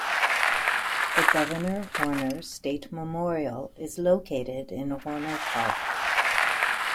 The Governor Horner State Memorial is located in Horner Park.